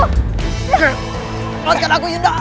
tolong aku yunda